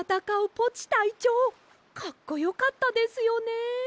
たいちょうかっこよかったですよね。